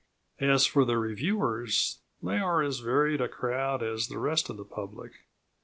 As for the reviewers, they are as varied a crowd as the rest of the public.